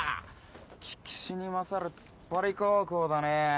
聞きしに勝るつっぱり高校だね。